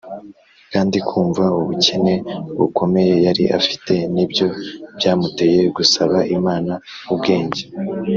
kandi kumva ubukene bukomeye yari afite ni byo byamuteye gusaba imana ubwenge.